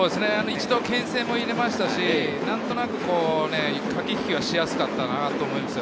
一度けん制も入れますたし、何となく駆け引きしやすかったかなと思います。